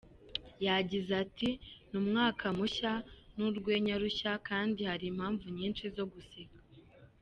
Yagize ati “Ni umwaka mushya n’urwenya rushya kandi hari impamvu nyinshi zo guseka.